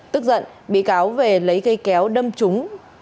tức giận bị cáo về lấy cây kéo đâm trúng